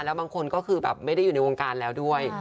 แล้วบางคนก็คือแบบไม่ได้อยู่ในวงการแล้วด้วย